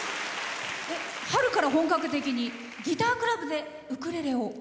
春から本格的にギタークラブでウクレレを。